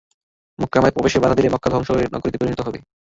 মক্কায় আমাদের প্রবেশে বাধা দিলে মক্কা ধ্বংসের নগরীতে পরিণত হবে।